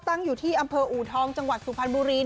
ตั้งอยู่ที่อำเภออูทองจังหวัดสุพรรณบุรี